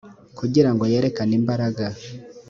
kugira ngo yerekane imbaraga